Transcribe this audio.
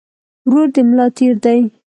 ورور د ملا تير دي